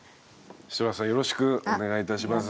シトラスさんよろしくお願いいたします。